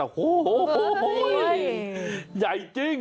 โหใหญ่จริง